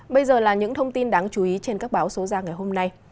bây giờ là những thông tin đáng chú ý trên các báo số ra ngày hôm nay